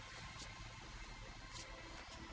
mau jadi kayak gini sih salah buat apa